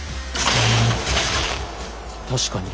確かに。